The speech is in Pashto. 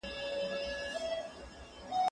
زه به سیر کړی وي!.